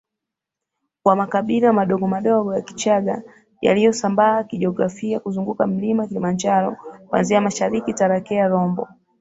wa makabila madogomadogo ya Kichagga yaliyosambaa kijiografia kuzunguka mlima Kilimanjaro kuanzia mashariki Tarakea Rombo